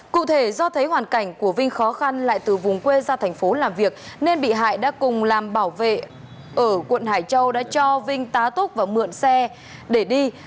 cụ thể do thấy hoàn cảnh của vinh khó khăn lại từ vùng quê ra thành phố làm việc nên bị hại đã cùng làm bảo vệ ở quận hải châu đã cho vinh tá túc và mượn xe để đi